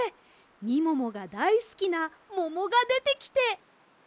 みももがだいすきなももがでてきて。